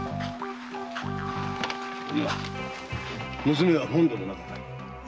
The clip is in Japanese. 娘は本堂の中か？